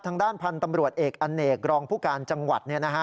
ทางด้านพันธุ์ตำรวจเอกอเนกรองผู้การจังหวัด